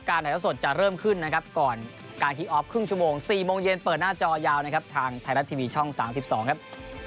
ถ่ายเท่าสดจะเริ่มขึ้นนะครับก่อนการคีกออฟครึ่งชั่วโมง๔โมงเย็นเปิดหน้าจอยาวนะครับทางไทยรัฐทีวีช่อง๓๒ครับ